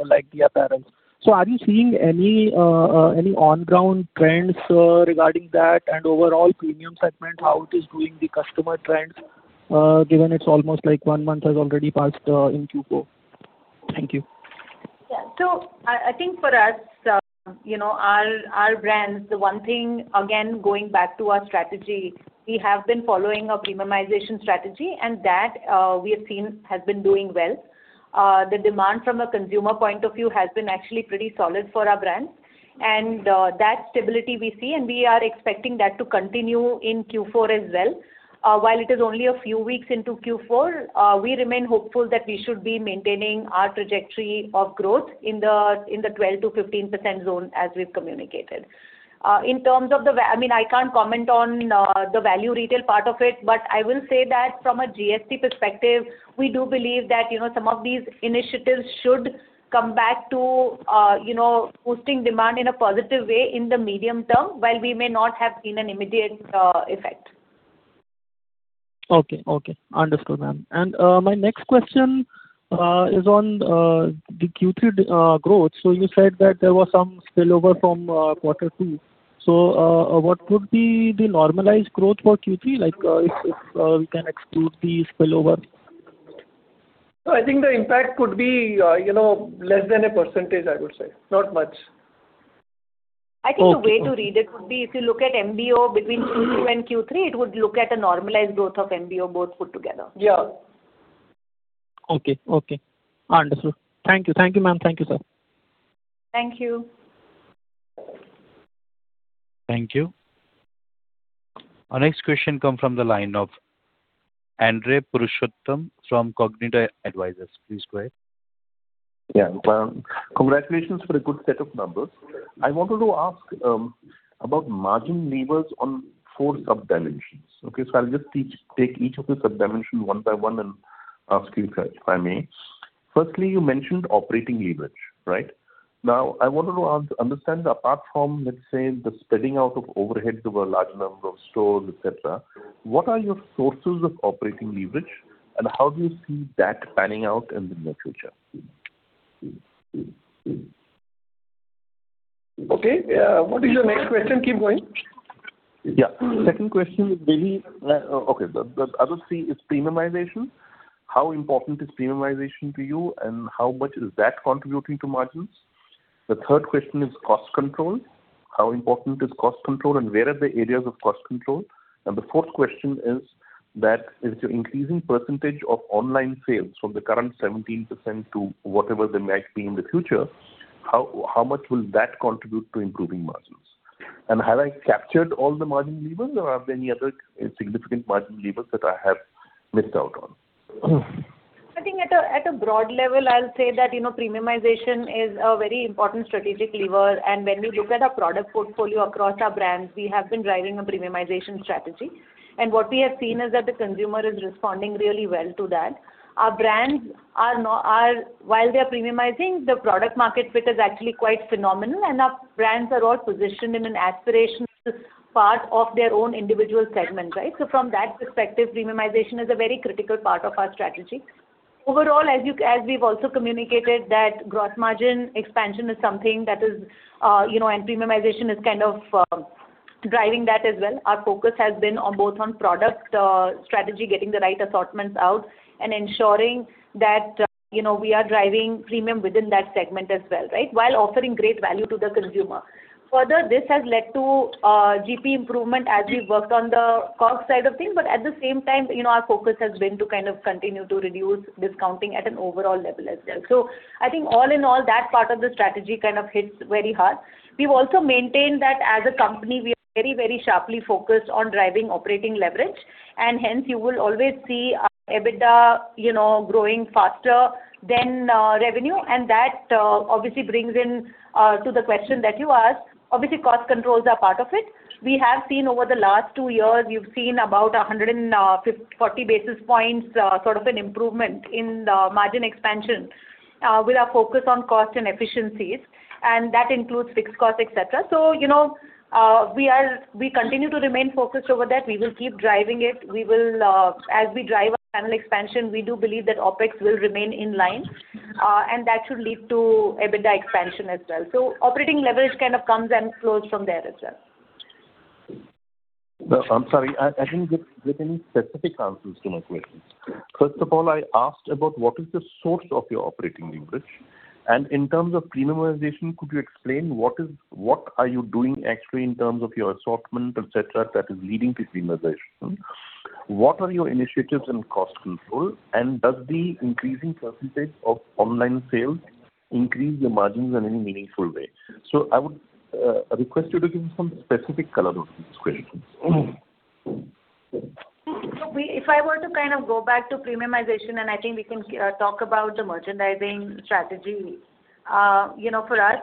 like the apparel. So are you seeing any any on-ground trends regarding that? Overall premium segment, how it is doing, the customer trends, given it's almost like one month has already passed, in Q4? Thank you. Yeah. So I think for us, you know, our brands, the one thing, again, going back to our strategy, we have been following a premiumization strategy, and that we have seen has been doing well. The demand from a consumer point of view has been actually pretty solid for our brands. And that stability we see, and we are expecting that to continue in Q4 as well. While it is only a few weeks into Q4, we remain hopeful that we should be maintaining our trajectory of growth in the 12%-15% zone, as we've communicated. the value retail part of it, I mean, I can't comment on the value retail part of it, but I will say that from a GST perspective, we do believe that, you know, some of these initiatives should come back to, you know, boosting demand in a positive way in the medium term, while we may not have seen an immediate effect. Okay, okay, understood, ma'am. And my next question is on the Q3 growth. So you said that there was some spillover from quarter two. So, what would be the normalized growth for Q3, like, if we can exclude the spillover? I think the impact could be, you know, less than a percentage, I would say. Not much. Okay. I think the way to read it would be if you look at MBO between Q2 and Q3. It would look at a normalized growth of MBO, both put together. Yeah. Okay, okay. Understood. Thank you. Thank you, ma'am. Thank you, sir. Thank you. Thank you. Our next question comes from the line of Andrey Purushottam from Cogito Advisors. Please go ahead. Yeah. Well, congratulations for a good set of numbers. I wanted to ask about margin levers on four sub-dimensions. Okay, so I'll just take each of the sub-dimensions one by one and ask you, sir, if I may. Firstly, you mentioned operating leverage, right? Now, I wanted to ask, understand, apart from, let's say, the spreading out of overheads over a large number of stores, et cetera, what are your sources of operating leverage, and how do you see that panning out in the near future? Okay, what is your next question? Keep going. Yeah. Second question is really, okay, the other C is premiumization. How important is premiumization to you, and how much is that contributing to margins? The third question is cost control. How important is cost control, and where are the areas of cost control? And the fourth question is that with your increasing percentage of online sales from the current 17% to whatever they might be in the future, how much will that contribute to improving margins? And have I captured all the margin levers, or are there any other significant margin levers that I have missed out on? I think at a broad level, I'll say that, you know, premiumization is a very important strategic lever, and when we look at our product portfolio across our brands, we have been driving a premiumization strategy. What we have seen is that the consumer is responding really well to that. Our brands are. While they are premiumizing, the product market fit is actually quite phenomenal, and our brands are all positioned in an aspirational part of their own individual segment, right? So from that perspective, premiumization is a very critical part of our strategy. Overall, as we've also communicated, that gross margin expansion is something that is, you know, and premiumization is kind of driving that as well. Our focus has been on both on product, strategy, getting the right assortments out, and ensuring that, you know, we are driving premium within that segment as well, right? While offering great value to the consumer. Further, this has led to, GP improvement as we worked on the cost side of things, but at the same time, you know, our focus has been to kind of continue to reduce discounting at an overall level as well. So I think all in all, that part of the strategy kind of hits very hard. We've also maintained that as a company, we are very, very sharply focused on driving operating leverage, and hence you will always see our EBITDA, you know, growing faster than, revenue. And that, obviously brings in, to the question that you asked. Obviously, cost controls are part of it. We have seen over the last two years, you've seen about 140 to 150 basis points sort of an improvement in the margin expansion with our focus on cost and efficiencies, and that includes fixed costs, et cetera. So, you know, we continue to remain focused over that. We will keep driving it. We will, as we drive our channel expansion, we do believe that OpEx will remain in line, and that should lead to EBITDA expansion as well. So operating leverage kind of comes and flows from there as well. Well, I'm sorry, I, I think you didn't give any specific answers to my questions. First of all, I asked about what is the source of your operating leverage, and in terms of premiumization, could you explain what is, what are you doing actually in terms of your assortment, et cetera, et cetera, that is leading to premiumization? What are your initiatives in cost control, and does the increasing percentage of online sales increase your margins in any meaningful way? So I would request you to give me some specific color on these questions. If I were to kind of go back to premiumization, and I think we can talk about the merchandising strategy. You know, for us,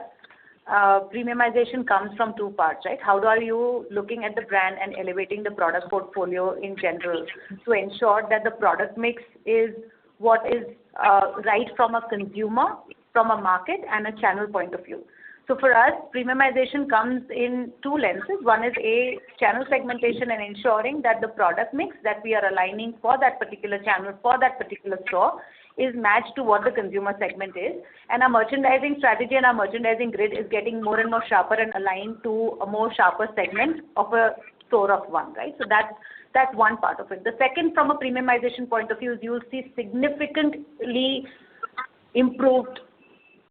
premiumization comes from two parts, right? How are you looking at the brand and elevating the product portfolio in general to ensure that the product mix is what is right from a consumer, from a market, and a channel point of view. So for us, premiumization comes in two lenses. One is, A, channel segmentation and ensuring that the product mix that we are aligning for that particular channel, for that particular store, is matched to what the consumer segment is. And our merchandising strategy and our merchandising grid is getting more and more sharper and aligned to a more sharper segment of a store of one, right? So that's, that's one part of it. The second, from a premiumization point of view, is you'll see significantly improved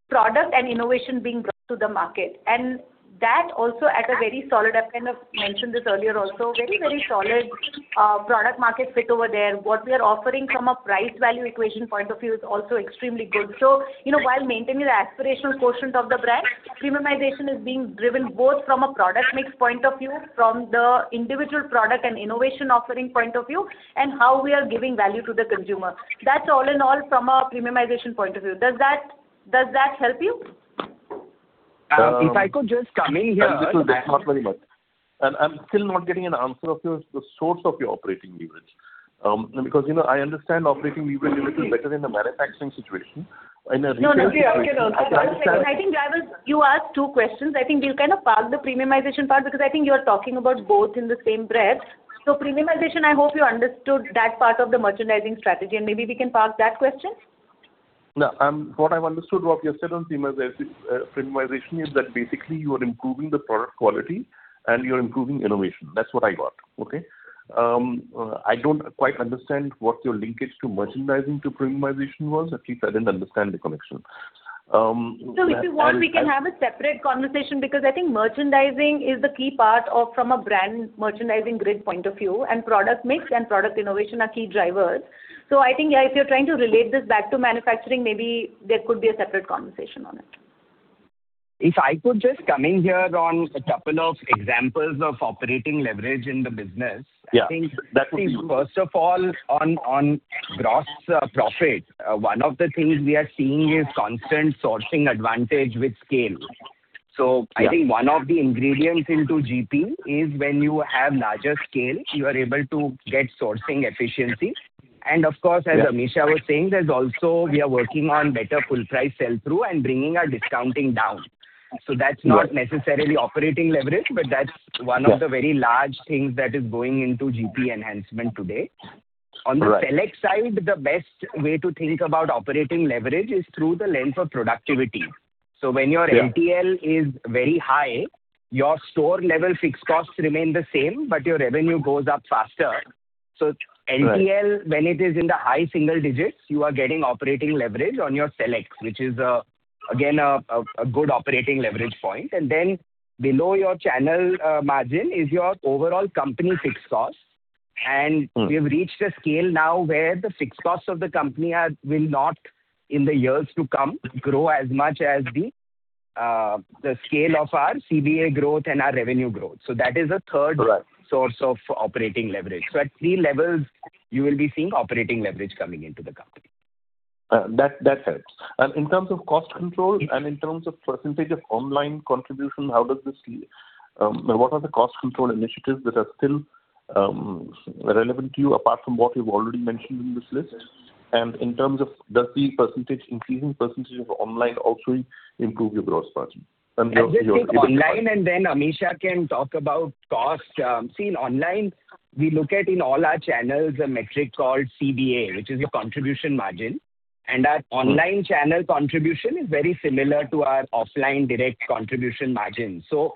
product and innovation being brought to the market. And that also at a very solid, I've kind of mentioned this earlier also, very, very solid, product market fit over there. What we are offering from a price-value equation point of view is also extremely good. So, you know, while maintaining the aspirational quotient of the brand, premiumization is being driven both from a product mix point of view, from the individual product and innovation offering point of view, and how we are giving value to the consumer. That's all in all from a premiumization point of view. Does that, does that help you? If I could just come in here- Not very much. I'm still not getting an answer of your, the source of your operating leverage, because, you know, I understand operating leverage a little better in a manufacturing situation. In a retail- No, no, okay, okay. No, I think, I think, Ravil, you asked two questions. I think we'll kind of park the premiumization part, because I think you are talking about both in the same breath. So premiumization, I hope you understood that part of the merchandising strategy, and maybe we can park that question? Now, what I've understood, Rob, you have said on premiumization is that basically you are improving the product quality, and you're improving innovation. That's what I got. Okay? I don't quite understand what your linkage to merchandising to premiumization was. At least I didn't understand the connection. And- So if you want, we can have a separate conversation, because I think merchandising is the key part from a brand merchandising grid point of view, and product mix and product innovation are key drivers. So I think, yeah, if you're trying to relate this back to manufacturing, maybe there could be a separate conversation on it. If I could just come in here on a couple of examples of operating leverage in the business. Yeah, that would be- I think, first of all, on gross profit, one of the things we are seeing is constant sourcing advantage with scale. Yeah. So, I think one of the ingredients into GP is when you have larger scale, you are able to get sourcing efficiency. And, of course- Yeah As Amisha was saying, there's also, we are working on better full price sell-through and bringing our discounting down. Yeah. That's not necessarily operating leverage, but that's- Yeah One of the very large things that is going into GP enhancement today. Right. On the select side, the best way to think about operating leverage is through the lens of productivity. Yeah. When your NTL is very high, your store level fixed costs remain the same, but your revenue goes up faster. Right. So NTL, when it is in the high single digits, you are getting operating leverage on your sales, which is, again, a good operating leverage point. And then below your channel, margin is your overall company fixed cost. Mm. We have reached a scale now where the fixed costs of the company are, will not, in the years to come, grow as much as the, the scale of our CBA growth and our revenue growth. So that is a third- Right Source of operating leverage. At three levels, you will be seeing operating leverage coming into the company. That, that helps. And in terms of cost control and in terms of percentage of online contribution, how does this... What are the cost control initiatives that are still relevant to you, apart from what you've already mentioned in this list? And in terms of does the percentage, increasing percentage of online also improve your gross margin? And your, your- I'll take online, and then Amisha can talk about cost. See, in online, we look at in all our channels a metric called CM, which is your contribution margin. Mm. Our online channel contribution is very similar to our offline direct contribution margin. Okay.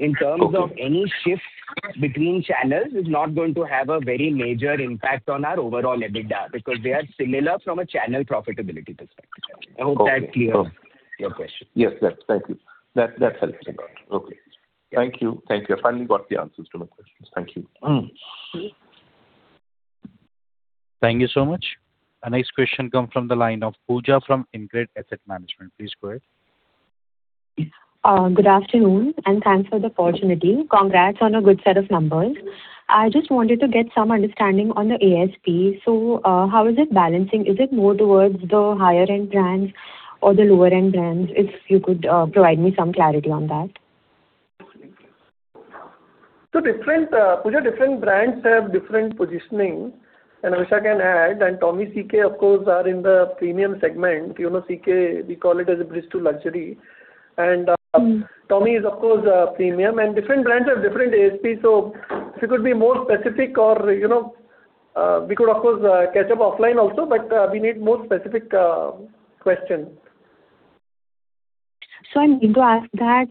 In terms of any shift between channels, is not going to have a very major impact on our overall EBITDA, because they are similar from a channel profitability perspective. Okay. I hope that clears your question. Yes, that... Thank you. That, that helps a lot. Okay. Yeah. Thank you. Thank you. I finally got the answers to my questions. Thank you. Mm. Great. Thank you so much. Our next question comes from the line of Pooja from InCred Asset Management. Please go ahead. Good afternoon, and thanks for the opportunity. Congrats on a good set of numbers. I just wanted to get some understanding on the ASP. So, how is it balancing? Is it more towards the higher end brands or the lower end brands? If you could provide me some clarity on that. Different, Pooja, different brands have different positioning, and Amisha can add, and Tommy, CK, of course, are in the premium segment. You know, CK, we call it as a bridge to luxury. Mm-hmm. Tommy is, of course, premium, and different brands have different ASP. So if you could be more specific or, you know, we could, of course, catch up offline also, but we need more specific question. I need to ask that,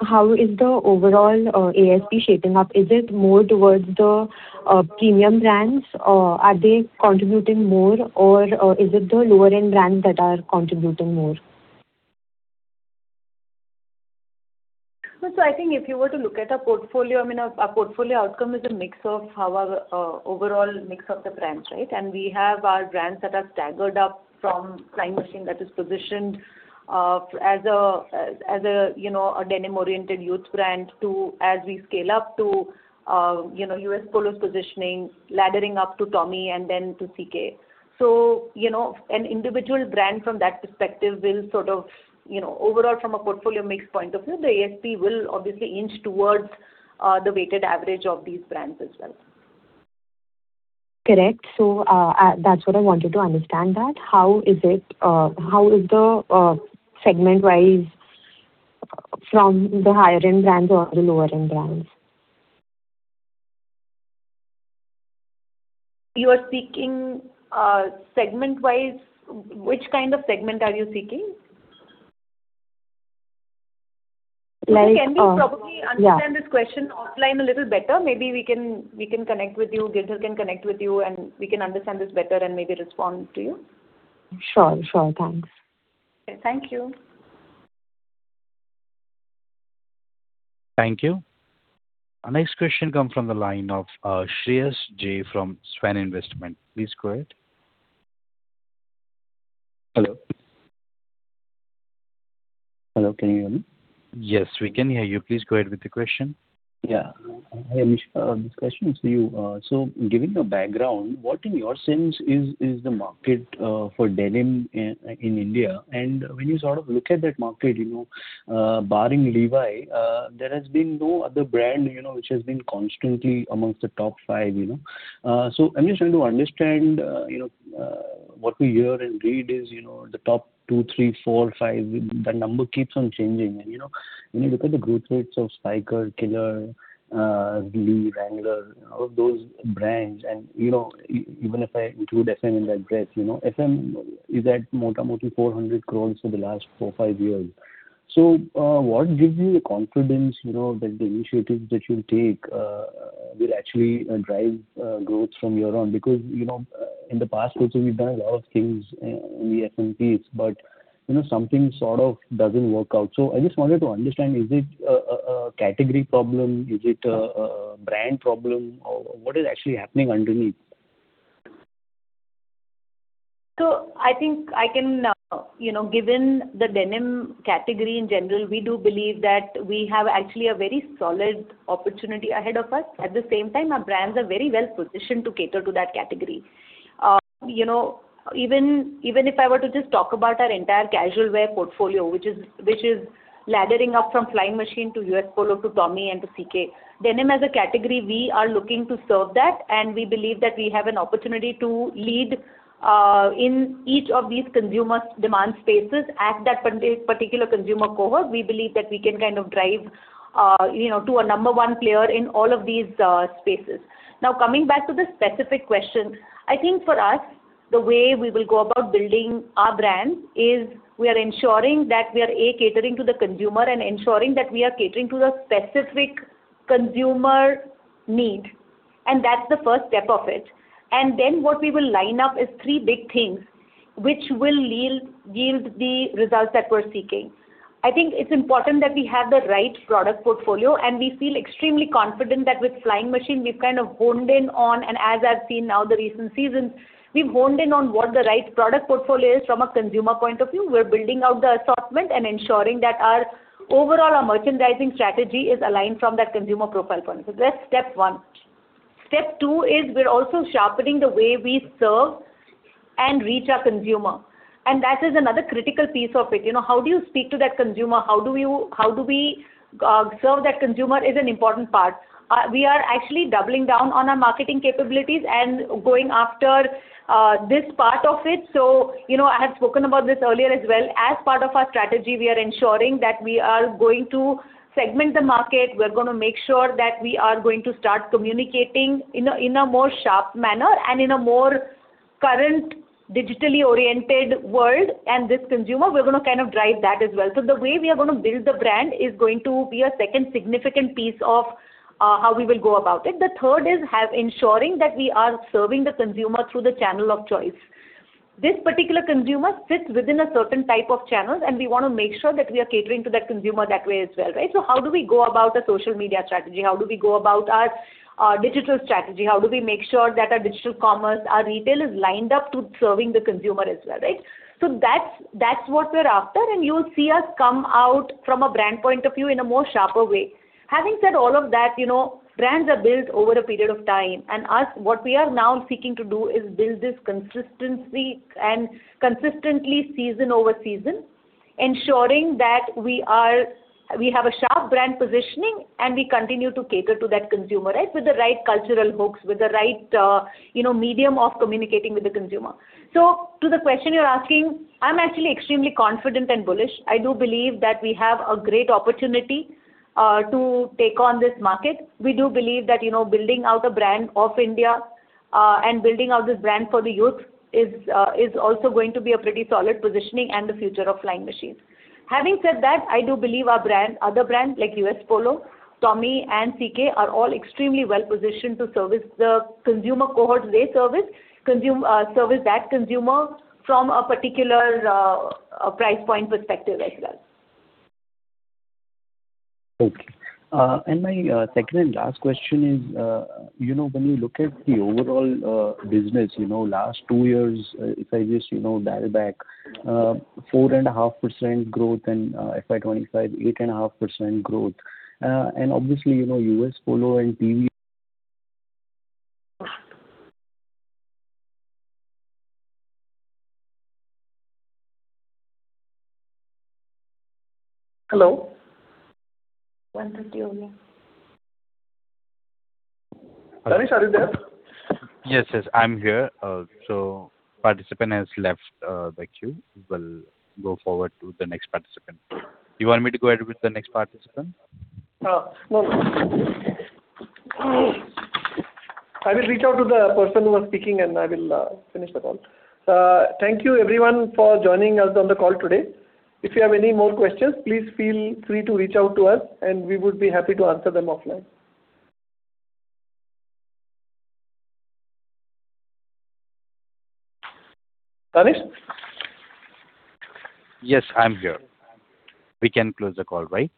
how is the overall ASP shaping up? Is it more towards the premium brands, or are they contributing more, or is it the lower end brands that are contributing more? So I think if you were to look at our portfolio, I mean, our, our portfolio outcome is a mix of how our, overall mix of the brands, right? And we have our brands that are staggered up from Flying Machine that is positioned, as a, as, as a, you know, a denim-oriented youth brand, to as we scale up to, you know, U.S. Polo positioning, laddering up to Tommy and then to CK. So, you know, an individual brand from that perspective will sort of, you know, overall from a portfolio mix point of view, the ASP will obviously inch towards, the weighted average of these brands as well. Correct. So, that's what I wanted to understand that. How is it, how is the segment-wise from the higher end brands or the lower end brands? You are speaking segment-wise, which kind of segment are you speaking? Like, yeah- Can we probably understand this question offline a little better? Maybe we can. We can connect with you, Girdhar can connect with you, and we can understand this better and maybe respond to you. Sure, sure. Thanks. Okay. Thank you. Thank you. Our next question comes from the line of Shreyas Jai from Swan Investment. Please go ahead. Hello? Hello, can you hear me? Yes, we can hear you. Please go ahead with the question. Yeah. Hi, Amisha, this question is for you. So given your background, what in your sense is the market for denim in India? And when you sort of look at that market, you know, barring Levi's, there has been no other brand, you know, which has been constantly among the top five, you know? So I'm just trying to understand, you know, what we hear and read is, you know, the top two, three, four, five, the number keeps on changing. And, you know, when you look at the growth rates of Spykar, Killer, Lee, Wrangler, all those brands, and, you know, even if I include FM in that list, you know, FM is at more or less 400 crore for the last four, five years... So, what gives you the confidence, you know, that the initiatives that you take will actually drive growth from year on? Because, you know, in the past also, we've done a lot of things in the STP, but, you know, something sort of doesn't work out. So I just wanted to understand, is it a category problem? Is it a brand problem, or what is actually happening underneath? So I think I can, you know, given the denim category in general, we do believe that we have actually a very solid opportunity ahead of us. At the same time, our brands are very well positioned to cater to that category. You know, even, even if I were to just talk about our entire casual wear portfolio, which is, which is laddering up from Flying Machine to U.S. Polo to Tommy and to CK. Denim as a category, we are looking to serve that, and we believe that we have an opportunity to lead in each of these consumer demand spaces. At that particular consumer cohort, we believe that we can kind of drive, you know, to a number one player in all of these spaces. Now, coming back to the specific question, I think for us, the way we will go about building our brand is we are ensuring that we are, A, catering to the consumer and ensuring that we are catering to the specific consumer need, and that's the first step of it. And then what we will line up is three big things which will yield the results that we're seeking. I think it's important that we have the right product portfolio, and we feel extremely confident that with Flying Machine, we've kind of honed in on... And as I've seen now, the recent seasons, we've honed in on what the right product portfolio is from a consumer point of view. We're building out the assortment and ensuring that our overall, our merchandising strategy is aligned from that consumer profile point. So that's step one. Step two is we're also sharpening the way we serve and reach our consumer, and that is another critical piece of it. You know, how do you speak to that consumer? How do we serve that consumer is an important part. We are actually doubling down on our marketing capabilities and going after this part of it. So, you know, I have spoken about this earlier as well. As part of our strategy, we are ensuring that we are going to segment the market. We're gonna make sure that we are going to start communicating in a more sharp manner and in a more current, digitally oriented world. And this consumer, we're gonna kind of drive that as well. So the way we are gonna build the brand is going to be a second significant piece of, how we will go about it. The third is have ensuring that we are serving the consumer through the channel of choice. This particular consumer sits within a certain type of channels, and we want to make sure that we are catering to that consumer that way as well, right? So how do we go about a social media strategy? How do we go about our, digital strategy? How do we make sure that our digital commerce, our retail, is lined up to serving the consumer as well, right? So that's, that's what we're after, and you'll see us come out from a brand point of view in a more sharper way. Having said all of that, you know, brands are built over a period of time, and us, what we are now seeking to do is build this consistency and consistently season over season, ensuring that we are... We have a sharp brand positioning, and we continue to cater to that consumer, right? With the right cultural hooks, with the right, you know, medium of communicating with the consumer. So to the question you're asking, I'm actually extremely confident and bullish. I do believe that we have a great opportunity to take on this market. We do believe that, you know, building out a brand of India, and building out this brand for the youth is, is also going to be a pretty solid positioning and the future of Flying Machine. Having said that, I do believe our brand, other brands like U.S. Polo, Tommy, and CK are all extremely well-positioned to service the consumer cohorts they service. Service that consumer from a particular price point perspective as well. Okay. And my second and last question is, you know, when we look at the overall business, you know, last two years, if I just, you know, dial back, 4.5% growth and FY 2025, 8.5% growth, and obviously, you know, U.S. Polo and PVH- Hello? 1:30 only. Danish, are you there? Yes, yes, I'm here. So participant has left the queue. We will go forward to the next participant. Do you want me to go ahead with the next participant? No, no. I will reach out to the person who was speaking, and I will finish the call. Thank you everyone for joining us on the call today. If you have any more questions, please feel free to reach out to us, and we would be happy to answer them offline. Danish? Yes, I'm here. We can close the call, right?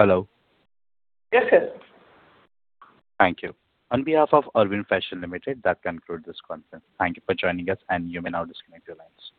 Hello? Yes, yes. Thank you. On behalf of Arvind Fashions Limited, that concludes this conference. Thank you for joining us, and you may now disconnect your lines.